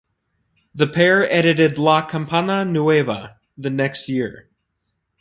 The pair edited "La Campana Nueva" the next year.